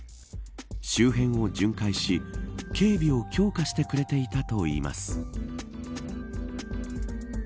周辺を巡回し警備を強化してくれていたといいます。